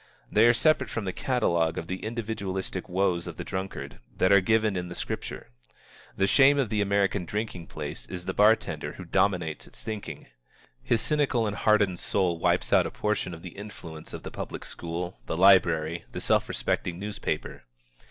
They are separate from the catalogue of the individualistic woes of the drunkard that are given in the Scripture. The shame of the American drinking place is the bar tender who dominates its thinking. His cynical and hardened soul wipes out a portion of the influence of the public school, the library, the self respecting newspaper.